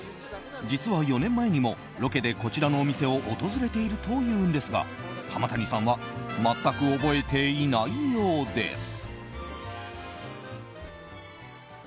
実は４年前にもロケで、こちらのお店を訪れているというんですが浜谷さんは全く覚えていないようです。